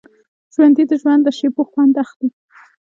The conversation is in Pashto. ژوندي د ژوند له شېبو خوند اخلي